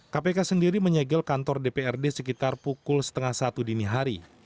kpk sendiri menyegel kantor dprd sekitar pukul setengah satu dini hari